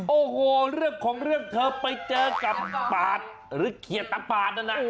โอ้โหเรื่องของเรื่องเธอไปเจอกับปาดหรือเขียดตะปาดนั่นน่ะ